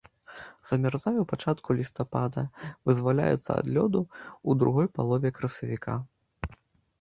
Замярзае ў пачатку лістапада, вызваляецца ад лёду ў другой палове красавіка.